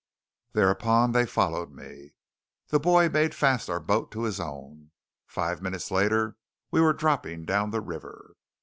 Thereupon they followed me. The boy made fast our boat to his own. Five minutes later we were dropping down the river.